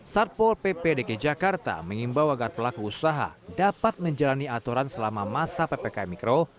satwa ppdk jakarta mengimbau agar pelaku usaha dapat menjalani aturan selama masa ppk mikro